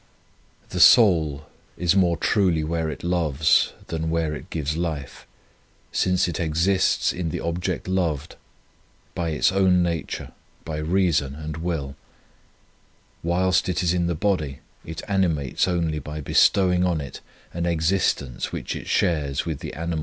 The soul is more truly where it loves than where it gives life, since it exists in the object loved by its own nature, by reason and will ; whilst it is in the body it animates only by bestowing on it an existence which it shares with the animal creation.